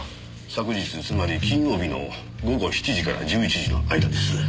昨日つまり金曜日の午後７時から１１時の間です。